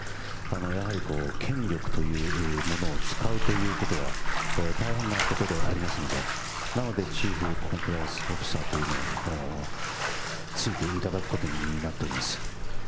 やはり、権力というものを使うということは、大変なことでありますので、なのでチーフコンプライアンスオフィサーというのを、ついていただくことになっています。